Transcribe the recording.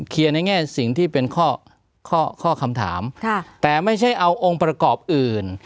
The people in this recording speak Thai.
ในแง่สิ่งที่เป็นข้อข้อคำถามแต่ไม่ใช่เอาองค์ประกอบอื่น